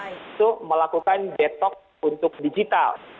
itu melakukan detok untuk digital